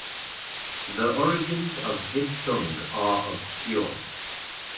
The origins of this song are obscure.